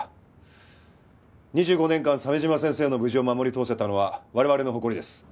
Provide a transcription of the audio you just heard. ２５年間鮫島先生の無事を護り通せたのは我々の誇りです。